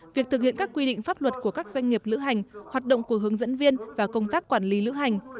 việc thực hiện các quy định pháp luật của các doanh nghiệp lữ hành hoạt động của hướng dẫn viên và công tác quản lý lữ hành